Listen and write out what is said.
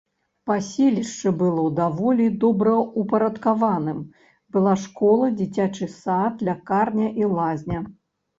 Паселішча было даволі добраўпарадкаваным, была школа, дзіцячы сад, лякарня і лазня.